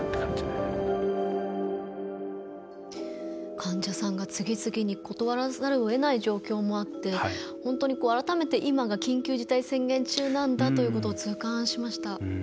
患者さんを次々に断らざるをえない状況もあって本当に改めて今が緊急事態宣言中なんだということを痛感しました。